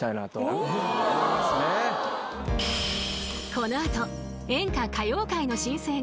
［この後演歌歌謡界の新星が］